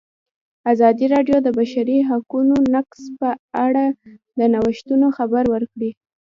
ازادي راډیو د د بشري حقونو نقض په اړه د نوښتونو خبر ورکړی.